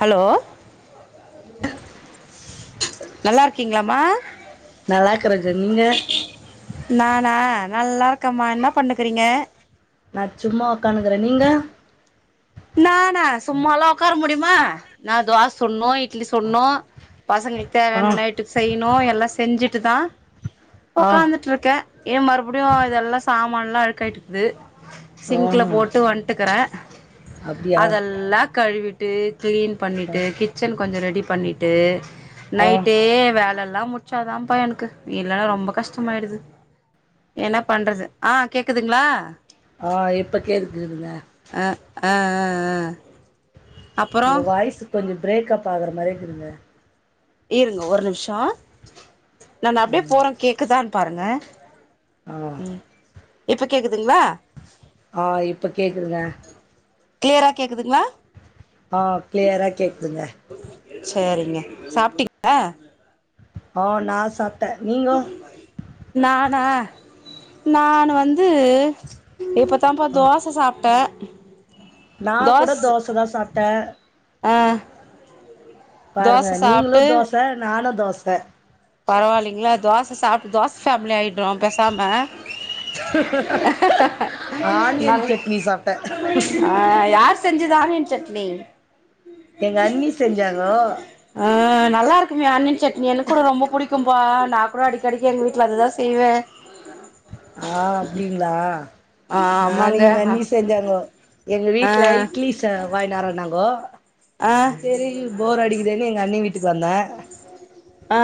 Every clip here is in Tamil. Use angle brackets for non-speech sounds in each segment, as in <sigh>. ஹலோ நல்லா இருக்கீங்களாம நல்லா இருக்கறங்க நீங்க நானா நல்லா இருக்கம்மா என்ன பண்ணுக்குறீங்க நா சும்மா உக்காணுக்குறே நீங்க நானா சும்மாலா உக்கார முடியுமா நா தோச சுன்னோ இட்லி சுன்னோ பசங்களுக்கு ஆ தேவையானந்த நைட்டுக்கு செய்யணு எல்லா செஞ்சு டுதா ஆ உக்காந்துட்ருக்கே ஏ மறுபடியு இதெல்லா சாமான நல்லா அழுக்காயிட்டு இருக்குது ஆ சிங்க்ல போட்டு வன்ட்டுக்கிறே அப்டியா அதெல்லா க கழுவிட்டு கிளீன் அ பண்ணிட்டு கிச்சன் கொஞ்ச ரெடி பண்ணி ட்டு ஆ நைட்டே வேல இல் ல்லா முடிச்சாதா ப எனக்கு நீ இல்லன்னா ரொம்ப கஷ்டமாயிடுது என்ன பண்றது ஆ கேக்குதுங்களா ஆ இப்பக் கேக்க கூதுங்க ஆ ஆ ஆ உங்க வாயுசு கொஞ்ச பிரேக்ப் ஆகுற மாரி இருக்குதுங்க இருங்க ஒரு நிமிஷோ நானு அப்டியே ம் போறே கேக்குதா பாருங்க ஆ இப்ப கேக்குதுங்களா ஆ இப்ப கேக்குதுங்க கிளியரா கேக்குதுங்களா ஆ கிளியரா கேக்குதுங்க சேரிங்க சாப் டிங்ளா அ நா சாப் நானா நானு வந் து இப்பத்தாப்ப தோச சாப்ட்டே <inaudible> நா கூட தோசதா சாப்பிட்டே அ பாருங்க நீங்களு தோச நானு தோச ச பரவாயில்லிங்களா தோச சாப்ட்டு தோச ஃபேமிலி ஆயிடுறோ பெசாம ஆனியன் நல் சட்னி சாப்ட்டே அ யார் செஞ்சுதா ஆனியன் சட்னி எங்க அண்ணி செஞ்சாங்கோ ஆ நல்லா இருக்குமே அண்ணி சட் நீ எனக்கு கூட ரொம்ப புடிக்கும் இப்பா நா கூட அடிக்கடிக் எங்க வீட்ல அதுதா செய்வே ஆ அப்டிங்களா ஆ ஆமாங்க நானு எங்க அண்ணி செஞ்சாங்கோ எங்க ஆ வீட்ல இட்லி ச வாங்கி வர ன்னங்கோ ஆ செரி போர் அடிக்கதேன்னு எங்க அண்ணி விட் ட்டுக்கு வந்தே ஆ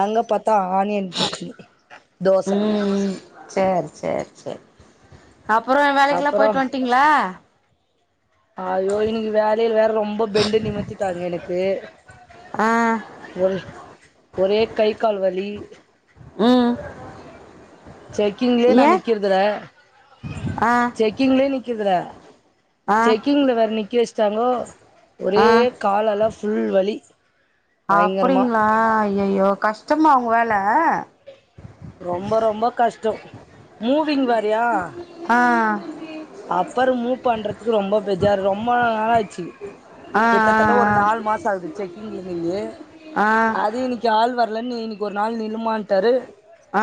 அங்க பத் புத்தா ஆனியன் சட்னி தோச ம் உ சேர் சேர் சேர் அப்பறம் வேலைக்குல்லா போயிட்டு வந்ட்டீங்களா அயோ இன்னைக்கு வேலையில வேற ரொம்ப பெண்டு நிமித்திட்டாங்க எனக்கு ஆ ஒரு ஒரே கை கால் வலி ம் செக்கிங்லே நா ஏ நிக்கிறதுலே ஆ செக்கிங்லே நிக்கிறதுல ஆ செக்கிங்ல வேற நிக்க வச்சிட்டாங்கோ ஒரே ஆ காலல ஃபுல் வலி பயங்கரமா அப்டிங்களா ஐஐயோ கஷ் த்தமா அவுங்க வேல ரொம்ப ரொம்ப கஷ்டோ மூவிங் வர் தியா ஆ அப்பறம் மூவ் பண்றதுக்கு ரொம்ப பெஜார் ரொம்ப ஆச்சு ஆ கிட்டத்தட்ட ஒரு நாலு மாச ஆகுது செக்கிங்லின் ஆ ஆ அது இன்னைக்கு ஆள் வர அல்லன் இன்க்கு ஒரு நாள் நில்லுமான் தெரு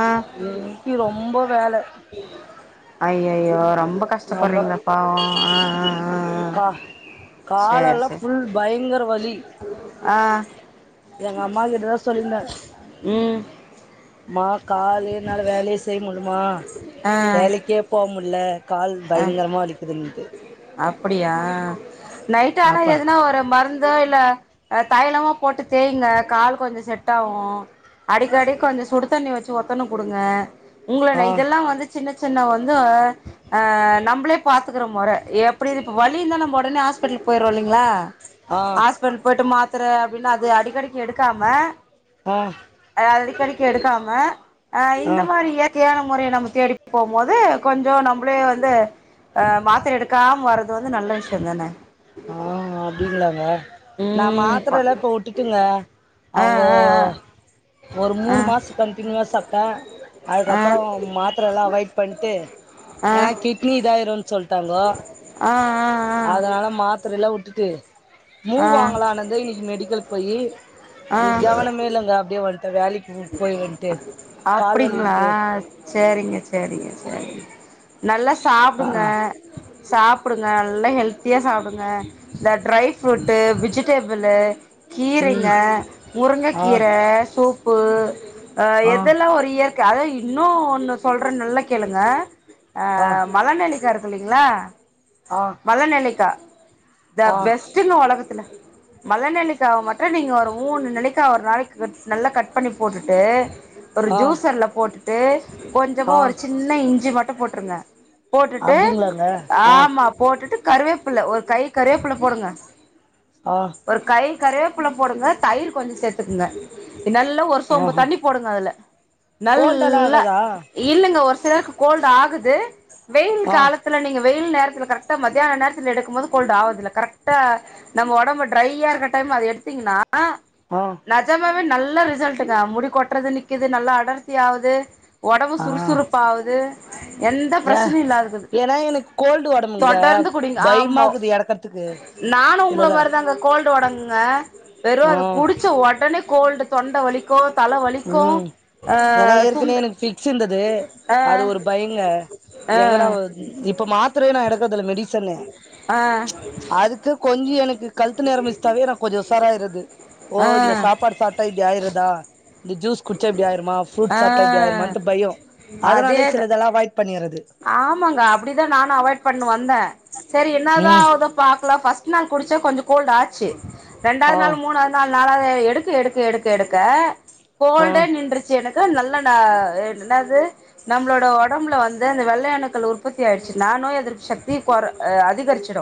ஆ இன்னிக்கு ரொம்ப வேல ஐயையோ ரொம்ப சம்ப கஷ்டப்படுறீங்களாப் பாவம் அஅஅ கா காலல்லா ஃபுல் பயங்கர வலி ஆ எங்க அம்மா கிட்டதா சொல்லியிருந்தே ம் ம காலு என்னால வேலையே செய்ய முடியுமா ஆ வேலைக்கே போ முடில கால் பயங்கரமாக வலிக்குது இன்னைக்கு அப்டியா நைட் ஆனா எதனா ஒரு மருந்தோ இல்ல அ தைலமு போட்டு தேயுங்க கால் கொஞ்ச செட் ஆகு அடிக்கடி கொஞ்ச சுடு தண்ணி வச்சு ஒத்தணு குடுங்க உங்களண்ண ஆ இதெல்லா வந்து சின்ன ச ந வந்தோய் ஆ நம்பளே பாத்துக்கற மொற எப்டி இது இப்ப வலி இந்தா நம்ம உடனே ஹாஸ்பிடலுக்கு போய்றோ இல்லிங்களா ஆ ஆஸ்பிட்ட போய்ட்டு மாத் த்தர அப்டின்னு அது அடிக்கடிக்கு எடுக்காம ஆ அத அடிக்கடிக்கு எடுக்காம அ இந்த ஆ மாரி இயற்கையான மொறைய நம்ம தேடி போம் போது கொஞ்ச நம் ப்ளே வந்து அ மாத்திர எடுக்காம வர்றது வந்து நல்ல விஷய தானே ஆ அப்டிலாங்க நா ம் ப மாத்திர எல்லா இப்ப வுட்டுட்டுங்க ஆ அவங்க ஆ ஒரு ஆ மூணு மாச கண்டெனீவா சாப்புட்டா ஆ அதுக்கப்பறோ மாத்திரல்லா அவைட் பண்ட்டு ஆ ஆ ஆ ஏனா கிட்னி இதாயிரு சொல்ட்டாங்கோ ஆ அதனால மாத் இலா உட்டுட்டு மூவ் ஆ வாங்கலானந்த இன்னைக்கு மெடிக்கல் பொயி ஆ ஆ கவனமே இலங்க அப்டியே வந் இப்ப வேலைக்கி போய் வந்ட்டு கால் அப்டிங்களா வலின்ட்டு சேரிங்க சேரிங்க சேரிங்க நல்லாஸ் ஆ சாப்புடுங்க சாப்புடுங்க நல்லா ஹெல்த்தியா சாப்புடுங்க இந்த ட்ரை ஃப்ரூட்டு வெஜிடேபுளு கீரைங்க ம் முருங்க ஆ கீர சோப்பு அ ஆ எத் ஒரு இயற்க அதா இன்னு ஒன்னு சொல்ற நல்லா கேளுங்க ஆ மலநெல்லிக்கா இருக் க்கு இல்லிங்களா ஆ மலநெல்லிக்கா த ஆ பெஸ்ட்டுங்க ஒலகத்துல மலநெல்லிக்காவ மட்டு நீங்க ஒரு மூணு நெல்லிக்கா ஒரு நாளைக்கு கட் நல்லா கட் கட் பண்ணி போட்டுட்டு ஒரு ஆ ஜூசர்ல போட்டு ட்டு கொஞ்சமா ஆ ஒரு சின்ன இஞ்சி மட் ட்டு போட்ருங்க போட்டுட்டு அப்டிங்களாங்க ஆ ஆமா டுட்டு கருவேப்புள்ள ஒரு கை கருவேப்புள்ள போடுங்க ஆ ஒரு கை கருவேப்புள்ள போடுங்க தயிர் கொஞ்சோ சேத்துக்குங்க நல்லா ஒரு சொம்பு ஆஹ தண்ணி போடுங்க அதுல கோல்டெல்லா நல்லா ஆகாதா இல்லங்க ஒருஸ் சிலருக்கு கோல்டு ஆகுது வெயில் ஆ காலத்துல நீங்க வெயில் நேரத்துல ட்டா மத்தியான நேரத்துல எடுக்கும் போது கோல்டு ஆகாதுல கரெக்டா நம்ம ஒடம்பு ட்ரையா இருக்க டைம்மு அது எடுத்தீங்கன்னா னா ஆ நஜாமாவே நல் நல்லா ரிசல்ட்டுக்கா முடி கொட்றது நிக்குது நல்லா அடர்த்தி ஆவுது ஒடம்பு ஆ சுறுசுறுப்பாவுது எந்த ஏ பிரச்சனயு இல்லாது இருக்கு ஏன்னா எனக்கு கோல்டு ஒடம்புங்க தொடர்ந்து குடிங்க ஆமா பயமாக்குது எறக்கறதுக்கு நானு உங்கள இல்லதான மாரிதாங்க கோ கோல்டு ஒடம்புங்க வெறு அத ம் குடுச்ச ஒடனே கோல்டு தொண்ட வலிக்கு தல வலிக்கு ம் அ தும்பு து ஆ அது ஒரு பயிங்க ஆ எங்கடா இப்ப மாத்திர நா எக்கதல்ல மெடிசன்னு ஆ அதுக்கு கொஞ் என் கழுத்து நேரம் மிஷ்டாவே நா கொஞ்சோ உசாராயிருது ஓ ஆ இந்த சாப்பாடு சாப்பட்டா இப்பிடி ஆயிருதா இந்த ஜூஸ் குடிச்ச இப்பிடி ஆயிருமா ஃபுரூட் ஆ சாப்ட்டா இப்பிடி ஆயிருமான்ட் பயோ அதனாலே அதேதா சிலதல்லா அவாய்ட் பண்ணி ஆமாங்க அப்பிடிதா நானு அவாய்ட் பண்ணு வந்தே சேரி என்னதா ம் ஆவுதோ பாக்கல பஸ் ல் நாள் குடிச்சா கொஞ்சோ கோல்டு் ஆச்சி ரெண்டாவது ஆ நாள் மூணாவது நாள் நாலாவது எடுக்கு எடுக்கு எடுக்கு எடுக்க ஆ கோல்டே நின்ட்ருச்சி எனக்கு நல்லா நா என்னது நம்பளோட ஒடம்புல வந் து அந்த வெள்ளையணுக்கள் உற்பத்தி ஆயிடுச்சி நானு நோய் எதிர்ப்பு சக்தி கொற ஆ அதிகரிச்சிடு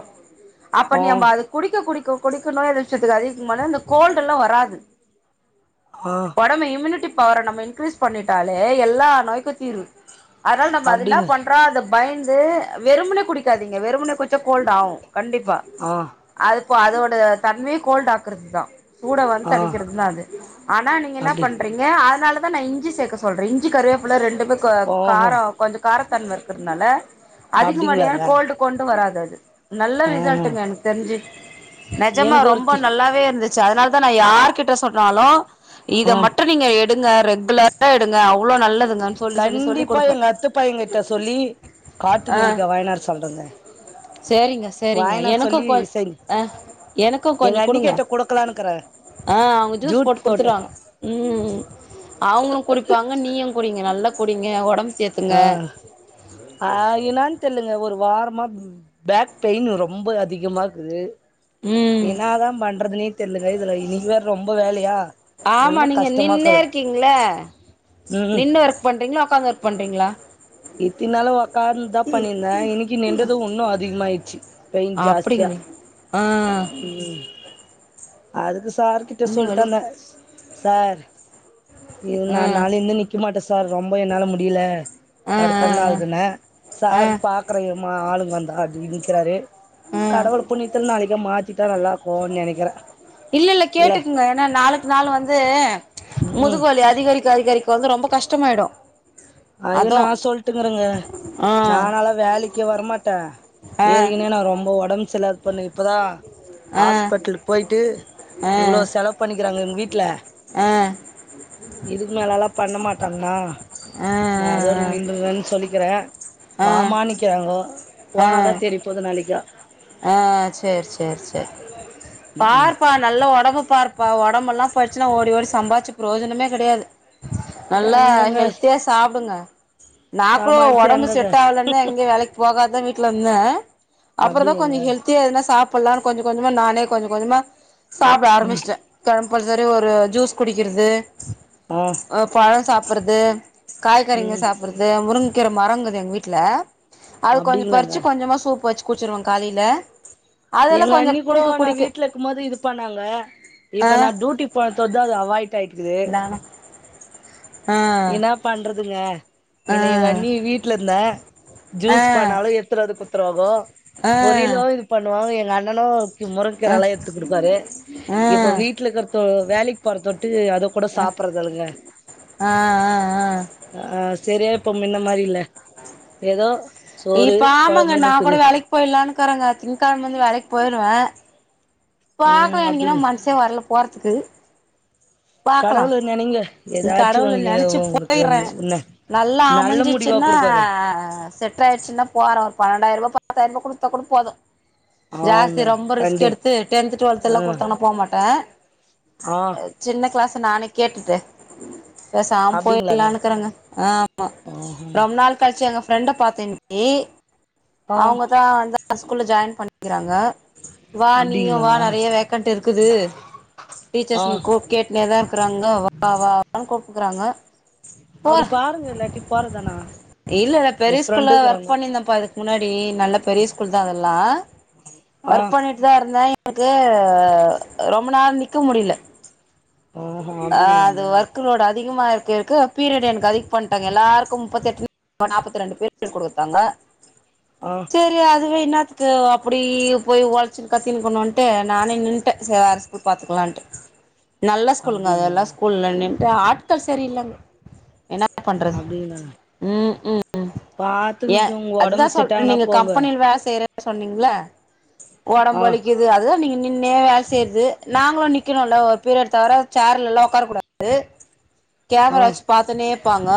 அப்ப ஆ நீ அம்ப அது குடிக்க குடிக்கும் குடிக்க நோய் எதிச்சதுக்கு அதிகமான இந்த கோல்டு எல்லா வராது ஆ ஒடம் இம்யூனிட்டி பவரைநம்ம இன்கிரீஸ் பண்ணிட்டாலே எல்லா நோய்க்கு தீருவு அனால் நம்ப அது என்னா அப்டிங்க பண்ற அது பயந்து வெறுபுனே குடிக்காதீங்க வெறுமுனே குடிச்சா கோல்டு ஆவு கண்டிப்பா ஆ அது இப்போ அதோட தன்மையே கோல்ட் ஆக்குறதுதா கூட வந்த் ஆ அடிக்கிறது தா அது ஆனா நீங்க என்ன அப்டி பண்றீங்க அதனால தா இஞ்சி சேக்க சொல்றே இஞ்சி கருவேப்புல ரெண்டு க் ஓஹோ காரோ கொஞ் கார தன்ம இருக்கிறதுனால அதிகமடையான அப்டிங்களாங்க கோல்டு கொண்டு வராத் கடு நல்ல ஆஹா ரிசல்ட்டுங்க எனக் தெரிஞ்சி நெஜமா எனக்கு ரொம்ப ஒருத்தி நல்லாவே இருந்துச்சி அதனால த்தா நா யார் கிட்ட சொன்னாலு இத ஆ மட்டு நீங்க எடுங்க ரெக் <inaudible> எடுங்க அவ்ளோ நல்லதுங்க கண்டிப்பா எங்க அத்தப்பையங்க ட்ட சொல்லி காட்டு ஆ நெல்லிக்கா வாங்கின்னு வர சொல்றங்க சேரிங்க சேரிங்க வாயநாடு எனக்கு சொல்லி கொ செங் ஆ எனக்கு எங்க கொஞ்சோ அண்ணி குடுங்க கிட்ட கொடக்கலானு இருக்குற ஆ அவங்க ஜூஸ் ஜூட் போட்டு குடுத்துருவாங்க ம் அவங்களு குடிப்பாங்க நீயுங் குடிங்க நல்லா குடிங்க ஒடம் சேத்துங்க ஆயினான் தெர்லங்க ஒரு வாரம் மா பேக் பெயின்னு ரொம்ப அதிகமா இருக்குது ம் என்னாதாம் பண்றதுனேத் தெர்லங்க இதுல இன்னிக்கு வேற ரொம்ப வேலையா ஆமா ஒன்னு நீங்க நின்னே கஷ்டமாக்குது இருக்கீங்கள ம் நின்னு ஒர்க் பண்றீங்களா உக்காந்து ஒர்க் பண்றீங்களா இத்தினாலு உக்காந்தா பண்ணிருந்தே இன்னிக்கு நின்டுது ஒண்ணு அது அதிகமாயிருச்சு அப்டிங்கள் ஆ அதுக்குஸ் சார் கிட்ட இங்க சொல்டு வலி வந்த சார் இது நா ஆ நாளைல இருந்து நிக்க மாட்ட சார் ரொம்ப என்னால முடியில ஆ தடுத்தடுன் ஆகுதுன்ன ஆ ஆ சாரு ஆ பாக்குற இரு மா ஆளுங்க வந் தான்டி நிக்கிறாரு ஆ கடவுளு புண்ணித்தல் நாளைக்கு மாத்தி தராரா போ நெனைக்கிற இல்ல இல்ல கேட்டுக்குங்க ஏனா நாளுக்கு நாள் வந்து ந்து ம் முதுகுவலி அதிகரிக்க அதிகரி இப்ப வந்து ரொம்ப கஷ்டமாயிடு ஐயோ அதூ நா சொல்ட்டுக்குறங்க ஆ நானல்லா வேலைக் கே வரமாட்ட ஆ ஏற்கனவே நா ரொம்போ ஒடம் செர்லாத பொண்ணு இப்பதா ஆ ஹாஸ்பிட்டலுக்கு போயிட்டு ஆ ஆ இவ்ளோ செலவு பண்ணிக்கிறாங்க எங் வீட்டல ஆ இதுக்கு மேலல்லா பண்ண மாட் ட்டண்டா நா அதோடு நின்றன்னு சொல்லிக்கிறே ஆ ஆ வாமானிக்கிறாங்கோ ஆ போனாதா தெரி போது நாளைக் ஆ சேரி சேரி சேரி பார்பா நல்ல ஒடம்ப் ப்பாருபா உடம்பெல்லா போிச்சுனா ஓடி ஓடி சம்பாச்சி பிர்யோஜனமே கெடையாது நல்லா எங்கங்க ஹெல்த்தியா சாப்புடுங்க நா கூடோ சமாளிச்சு ஒடம்பு எங்கங்க செட் ஆகலன்தா எங்கியு வேலைக்கு போகா தா வீட்டல இந்தே கொஜோ அப்பிடியா ஹல்தியா எதுனா சாப் ப்படல்லான் கொஞ்ச கொஞ்சமா நானே கொஞ்ச கொஞ்சமா சாப்பிட ம் ஆரம்பிச்சட்டே பல்சரி ஒரு ஜூஸ் குடிக்கிறது ஆ அ பழ சாப்பிறது காய்கறிங்க ம் சாப்பிறது முருங் க்கிற மரம்க்குது எங்க வீட்டல அது கொஞ்சோ அப்டிங்களாங்க பறிச்சி கொஞ்சமா சூப்பு வச்சி குச்சிருவங் காலையில எங்க அண்ணி கூடோ குடிக்க நா குடிக்க வீட்டல இருக்கு போது இது பண்ணாங்க இப்ப ஆ நா டியூட்டி போன தோ தா அது அவாய்ட் ஆயிக்குது இந்தாங்கண்ணா ஆ இன்னா பண்றதுங்க ஆ மின்ன எங்க அண்ணி வீட்டுல இருந்த ஆ ஆ அ ஜூஸ் பண்ணாலு ஏத்துறது குத்துருவாகோ பொரிலு இது பண்ணுவா ஒ எங்க அண்ணனு ஆ முருக்கீரல்லா எடுத்து குடுப்பாரு இப்போ வீட்டல இருக்கிறதோ வேலைக் போறதோ ட்டு அத கூட சாப்பறதுலங்க ஆ ஆ ஆ சேரியா இப்ப மின்ன மாரி இல்ல எதோ இப்ப ஆமாங்க நா கூட வேலக் போய்ர்லான் இக்குரங்க திங்கழமலிந்து வேலக் போயிருவே பாக்லா ம் எனக் இன்னு அப்டிங்க மன்ஷே வர்ல போறத்துக்கு கடவுள நனைங்க கடவுல நெனச்சி போயிற்றே என்ன நல்லா நல்ல முடிவா அமஞ்சிச்னா குடுப்பாரு செட் ஆயிர்ச்சினா போ பணோ ஒரு பண்னட்டாய்ர்வ பத்தாயிர்வ குடுத்த குடுத்தா கூட போது ஆங்க ஜாஸ்தி ரொம்ப ரிஸ்க் கண்டி எடுத்து டென்த் டுவெல்த் எல்லா ஆ கொடுத்தானா போமாட்டே ஆ சின்ன கிளாஸ் நானே கேட்டுடே <inaudible> பேசாம அப்டிங்களாங்க போய்லான்னுக்குறங்க ஆமா ஆஹ ரொம் நாள் கழிச்சங்க ஃப்ரெண்ட பாத்தே யே ஆ அவங்க தா வந்த பா ஸ்கூல்ல ஜாயின் பண்ணிகிறாங்க வா நீயு வா அப்டிங்களாங்க நறையா வேக்கண்ட் இருக்குது டீச்சர்ஸ் ஆ கோ கேட்டுனேதா இருக்றாங்க வா அத்தா கூப்டுக்கிறாங்க போ அப்டி பாருங்க இல்லாட்டி போறதானா இல்லல்ல எ பெரிய ஸ்கூல்ல ஒர்க் ஃப்ரெண்டுக்குறாங்க பண்ணிர்தபா இதுக் முன்னாடி நல்ல பெரிய ஸ்கூல் தா அதல்லா ஆ ஒர்க் பண்ணிட்டு தா இருந்தே உனக்கு ரொம்ப நேர நிக்க முடில ஆஹ அ அது அப்டிங்களாங்க வர்க்லோடு அது அதிகமா இருக்க இருக்க பீரியட் எனக்கு அதிக பண்டாங்க எல்லார்கு முப்பத்தி எட்டு நாப்பத்தி ரெண்டு பீரியட் கொடுத்தாங்க ஆ சேரி அதுவே என்ன கே அப்டி போய் ஒழ்ச்ன் கத்தின் போனான்டு நானே நின்டே சேர்ஸ்கூல் பத்துக்லான்டு நல்ல கொல்லுங்க அதல்லா அப்டிங்களாங்க ஸ்கூல்லனின் இத ஆட்கள் சரி இல்லங் என்ன பண்றது அப்டிங்களாங்க ம் ம் எ பாத்துங்க உங்க அதுதா ஒடம்பு செட் சொல்ரி ஆகுனா நீங்க போங்க கம்பெனில் வேல செய்ற சொன்னீங்ளா வொடம் ஆ வலிக்கிது அதுதா நீங்க நின்னேவேல செய்யறது நாங்களு நிக்கணும்ல்ல ஒரு பீரியட் தவிர சேர்லல்லா வொக்கார கூடாது கேமர ஆ வச்சி பாத்துனேப் ப்பாங்க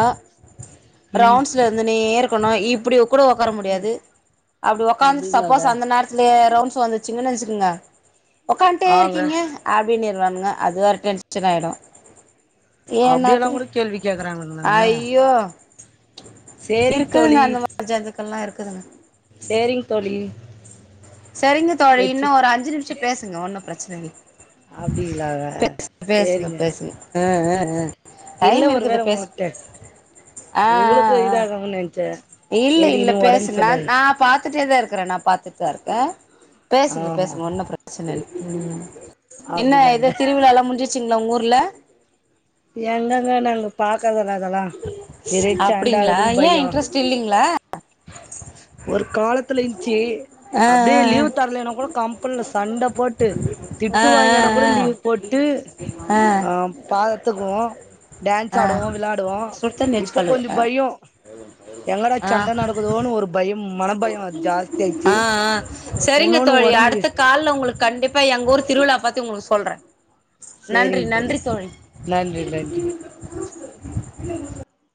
ம் ரவுண்ட்ஸ்ல இருந்து நீ ஏ இக்கனு இப்டி வொக் கூட வொக்கர முடியாது அப்டி வொக்காந்து அப்டிங்களாங்க சப்போஸ் அந்த நேரத்திலே ரவுன்ஸ் வந்துச்சுங்கன்னு நெனச்சுக்கங்க வொக்காண்டே ஆங்க இருக்கீங்க அப்டின்னு இரு அதுவாங்க அது ஒரு டென் மச்சராயடம் அப்டியெல்லா கூட கேள்வி கேக்குறாங்களனங்க ஐயோ இருக்குதுங்க அந்த மாரி ஜந்துக்க எல்லா இருக்கு இருக்குதுங்க சேரிங் தோழி செரிங்க தோழி வெச்சு இன்னு ஒரு அஞ்சு நிமிஷ பேசுங்க ஒன்னு பிரச்சனவி அப்டில்லக சேரிங்க அ அ அ இல்ல ஒரு வேல உங்கள்ட்ட ஆ ஆ உங்களுக்கு ஆ இதாகு நெனச்சே இல்ல இல்ல ஏற்கனவே ஒடம்பு பேசுங்க செர்ல நா பா பாத்துட்டே தா இருக்கறே நா பாத்துட்டுதா இருக்கே பேசுங்க ஆஹா பேசுங்க ஒன்னு பிர <unintelligible> என்ன இத அப்டிலால்ல திருவிழாலா முடிஞ்சுருச்சுங்களா வொங் ஊர் இல்ல எங்கங்க நாங்க பார்க்கத இல்ல அதெல்லா விரை அப்டிங்களா சாண்டாகுதுன்னு ஏ பயோ இன்ட்ரெஸ்ட் இல்லைங்களா ஒரு காலத்துல சி ஆ அப்டியே லீவ் தரலன்னா கூட கம்பெனில சண்ட போட்டு ஆ திட்டு வாங்கனா கூட ஆ லீவ் போட்டு ஆ ஆ அ ஆ பா கோ டான்ஸ் ஆ ஆடுவோ விளாடுவோ சுடு தண்ணி வச்சு இப்ப கழுவு கொஞ்ச ஆ பயோ எங்கடா ஆ சண்ட நடக்குதோனு ஒரு பயம் மன பயம் ஜாஸ்தி ஆயிடுச்சு ஆ ஆ சேரிங்க உன்னொன்னு தோழி ஒடம்புக்கு அடுத்த கால்ல உங்களுக்கு கண்டிப்பா எங்க ஊர் திருவிழா பாத்தி உங்களுக்கு சொ சொல்றே நன்றி சேரிங்க தோழி நன்றி நன்றி நன்றி <inaudible>